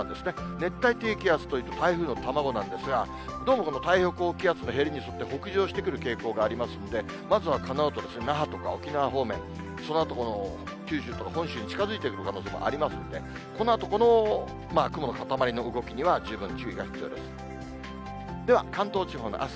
熱帯低気圧というのは、台風の卵なんですが、どうもこの台風のへりに沿って、北上してくる傾向がありますので、まずはこのあと那覇とか沖縄方面、そのあと、九州とか本州に近づいていく可能性もありますので、このあと、この雲の固まりの動きには、十分注意が必要です。